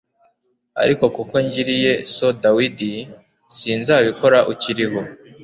ariko kuko ngiriye so dawidi sinzabikora ukiriho